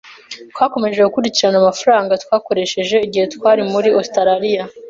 Twakomeje gukurikirana amafaranga twakoresheje igihe twari muri Ositaraliya.